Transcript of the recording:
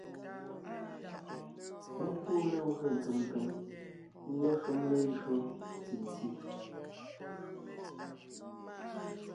Mé kúu legwé nkèm nkèm ngyɛ́ shúm lejÿo ntí nti;